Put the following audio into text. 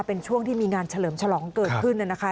เป็นช่วงที่มีงานเฉลิมฉลองเกิดขึ้นนะคะ